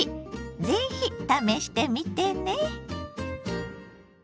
ぜひ試してみてね！